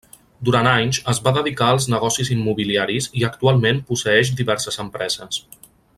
Durant anys es va dedicar als negocis immobiliaris i actualment posseeix diverses empreses.